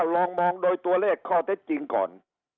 ลองมองโดยตัวเลขข้อเท็จจริงก่อน